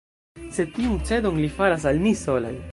Sed tiun cedon li faras al ni solaj.